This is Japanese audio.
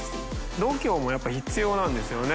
度胸もやっぱ必要なんですよね。